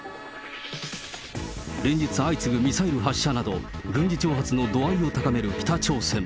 連日相次ぐミサイル発射など、軍事挑発の度合いを高める北朝鮮。